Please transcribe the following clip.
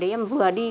để em vừa đi